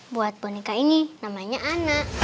buat boneka ini namanya anak